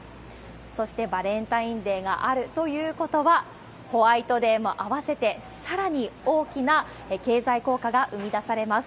そして、バレンタインデーがあるということは、ホワイトデーも合わせて、さらに大きな経済効果が生み出されます。